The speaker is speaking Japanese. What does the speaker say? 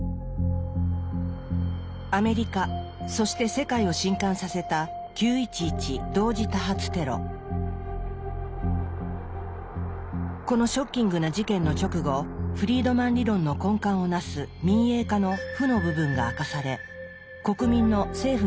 アメリカそして世界を震撼させたこのショッキングな事件の直後フリードマン理論の根幹を成す「民営化」の負の部分が明かされ国民の政府に対する不信感が強まっていきます。